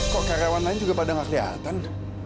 kok karyawan lain juga pada nggak kelihatan